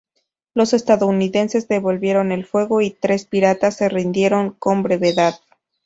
Los estadounidenses devolvieron el fuego y tres piratas se rindieron con brevedad.